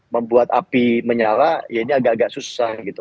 membuat api menyala ya ini agak agak susah gitu